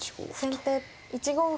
先手１五歩。